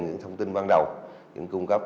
những thông tin ban đầu những cung cấp